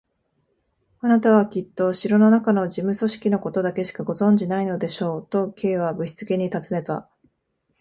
「あなたはきっと城のなかの事務組織のことだけしかご存じでないのでしょう？」と、Ｋ はぶしつけにたずねた。